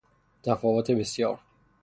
تفاوت بسیار